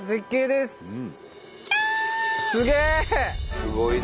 すごいな。